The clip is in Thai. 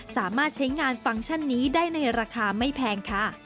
สามารถใช้งานฟังก์ชันนี้ได้ในราคาไม่แพงค่ะ